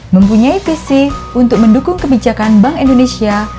mempunyai visi untuk mendukung kebijakan bank indonesia